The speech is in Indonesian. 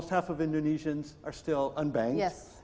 dari indonesia memiliki akun bank